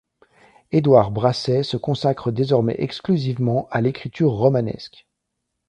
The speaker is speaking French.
Édouard Brasey se consacre désormais exclusivement à l'écriture romanesque.